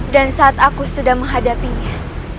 dan saat aku sedang menghadapinya